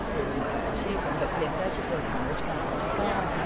คืออาชีพของกับเพลงได้ชื่อโดยความรู้สึกค่อนข้าง